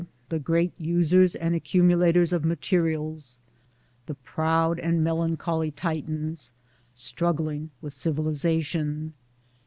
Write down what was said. the great users and accumulators of materials, the proud and melancholy Titans struggling with civilisation